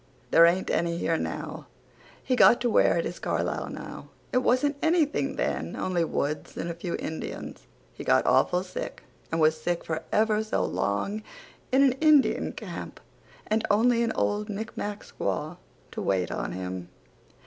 There aint any here now. He got to where it is Carlisle now. It wasn't anything then only woods and a few indians. He got awful sick and was sick for ever so long in a indian camp and only an old micmac squaw to wait on him.